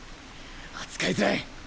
扱いづらい。